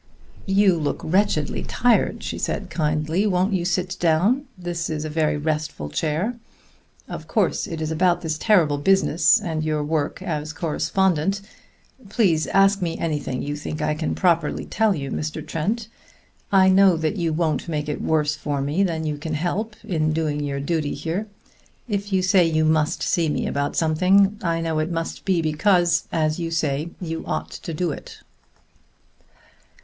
"You look wretchedly tired," she said kindly. "Won't you sit down? this is a very restful chair. Of course it is about this terrible business and your work as correspondent. Please ask me anything you think I can properly tell you, Mr. Trent. I know that you won't make it worse for me than you can help in doing your duty here. If you say you must see me about something, I know it must be because, as you say, you ought to do it."